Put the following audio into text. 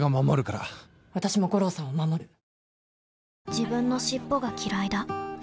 自分の尻尾がきらいだ